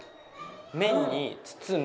「面」に「包む」。